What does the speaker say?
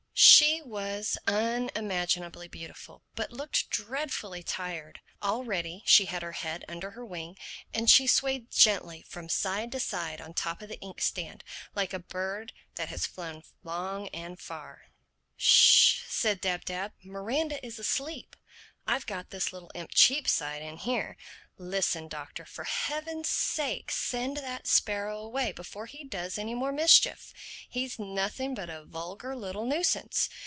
She was unimaginably beautiful but looked dreadfully tired. Already she had her head under her wing; and she swayed gently from side to side on top of the ink stand like a bird that has flown long and far. "Sh!" said Dab Dab. "Miranda is asleep. I've got this little imp Cheapside in here. Listen, Doctor: for Heaven's sake send that sparrow away before he does any more mischief. He's nothing but a vulgar little nuisance.